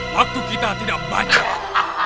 waktu kita tidak banyak